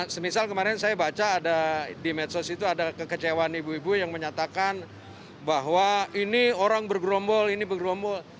semisal kemarin saya baca ada di medsos itu ada kekecewaan ibu ibu yang menyatakan bahwa ini orang bergerombol ini bergerombol